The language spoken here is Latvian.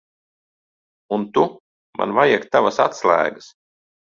Un tu. Man vajag tavas atslēgas.